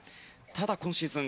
ただ、今シーズン